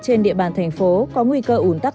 trên địa bàn thành phố có nguy cơ ủn tắc